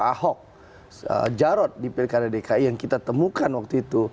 pak ahok jarot di pirkada dki yang kita temukan waktu itu